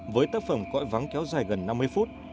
với tác phẩm cõi vắng kéo dài gần năm mươi phút